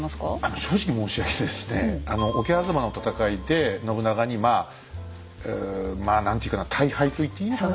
正直申し上げてですね桶狭間の戦いで信長にまあまあ何ていうかな大敗と言っていいのかな。